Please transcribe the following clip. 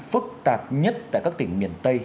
phức tạp nhất tại các tỉnh miền tây